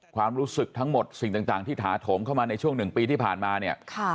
ความรู้สึกทั้งหมดสิ่งต่างที่ถาโถมเข้ามาในช่วง๑ปีที่ผ่านมาเนี่ย